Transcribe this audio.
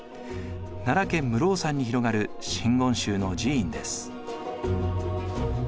奈良県室生山に広がる真言宗の寺院です。